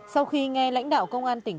sau khi nghe lãnh đạo công an tỉnh